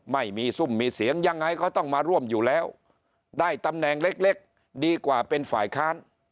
ไม่มีซุ่มมีเสียงยังไงก็ต้องมาร่วมอยู่แล้วได้ตำแหน่งเล็กดีกว่าเป็นฝ่ายค้าน